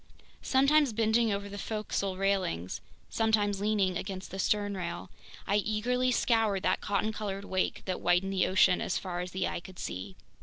Sometimes bending over the forecastle railings, sometimes leaning against the sternrail, I eagerly scoured that cotton colored wake that whitened the ocean as far as the eye could see!